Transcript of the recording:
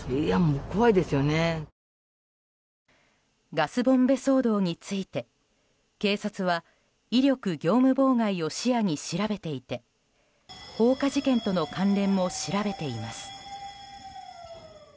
ガスボンベ騒動について警察は威力業務妨害を視野に調べていて放火事件との関連も調べています。